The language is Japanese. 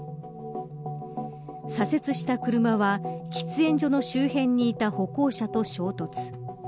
左折した車は、喫煙所の周辺にいた歩行者と衝突。